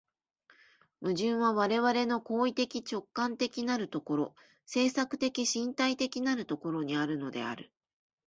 矛盾は我々の行為的直観的なる所、制作的身体的なる所にあるのである。